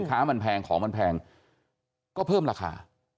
ค้ามันแพงของมันแพงก็เพิ่มราคา